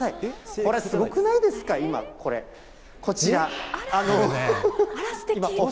これ、すごくないですか、今、これ、こちら。